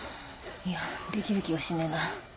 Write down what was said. いやできる気がしねえな。